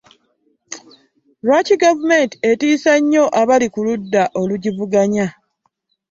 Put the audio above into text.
Lwaki gavumenti etiisa nnyo abali ku ludda olugivuganya?